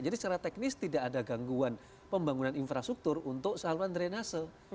jadi secara teknis tidak ada gangguan pembangunan infrastruktur untuk saluran drainase